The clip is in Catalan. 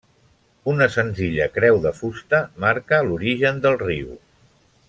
Una senzilla creu de fusta marca l'origen del riu.